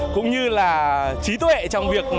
cũng như là trí tuệ trong việc